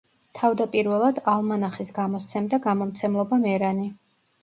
თავდაპირველად ალმანახის გამოსცემდა გამომცემლობა „მერანი“.